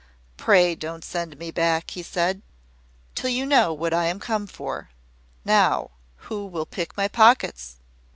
"Pray don't send me back," said he, "till you know what I am come for. Now, who will pick my pockets?"